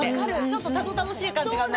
ちょっとたどたどしい感じがね。